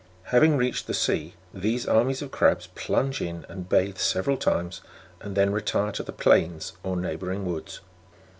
Having reached the sea, these armies of crabs plunge in and bathe several times, and then retire to the plains or neighbouring woods.